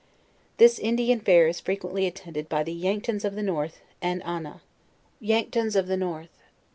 This Indian fair is fre quently attended by the Yanktons of the north and Ah nah. YANKTONS OF THE NORTH.